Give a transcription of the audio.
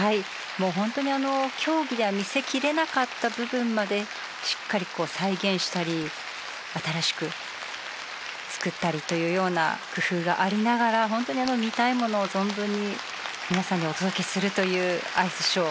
もう本当に競技では見せきれなかった部分までしっかり再現したり新しく作ったりというような工夫がありながら本当に見たいものを存分に皆さんにお届けするというアイスショー。